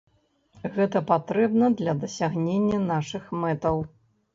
Гэта патрэбна для дасягнення нашых мэтаў.